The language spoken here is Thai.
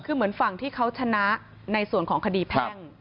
คือเหมือนฝั่งที่เขาชนะในส่วนของคดีแพ่ง